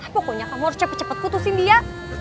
pokoknya kamu harus cepet cepet putusin dia